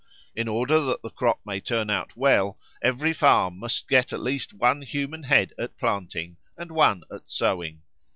In order that the crop may turn out well, every farm must get at least one human head at planting and one at sowing.